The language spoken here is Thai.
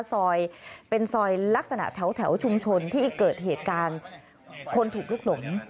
ซอยเป็นซอยลักษณะแถวชุมชนที่เกิดเหตุการณ์คนถูกลุกหลง